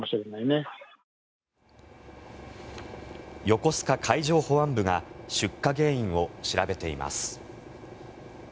横須賀海上保安部が出火原因を調べています。